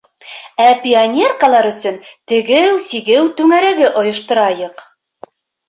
Ә пионеркалар өсөн тегеү-сигеү түңәрәге ойошторайыҡ.